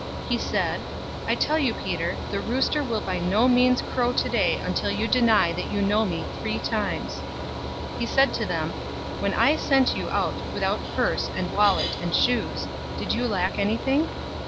022:034 He said, "I tell you, Peter, the rooster will by no means crow today until you deny that you know me three times." 022:035 He said to them, "When I sent you out without purse, and wallet, and shoes, did you lack anything?"